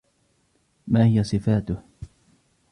ما هي صفاته؟